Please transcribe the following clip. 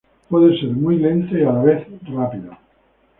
Puede ser muy lento y a la vez rápido.